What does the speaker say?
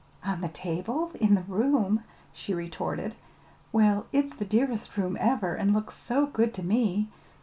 "On the table? In the room?" she retorted. "Well, it's the dearest room ever, and looks so good to me!